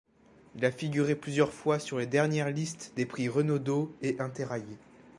Il a figuré plusieurs fois sur les dernières listes des prix Renaudot et Interallié.